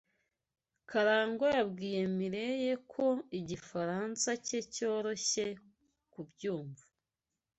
Karangwa yabwiye Mirelle ko igifaransa cye cyoroshye kubyumva.